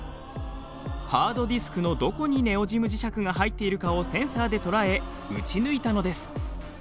ハードディスクのどこにネオジム磁石が入っているかをセンサーで捉え打ち抜いたのです。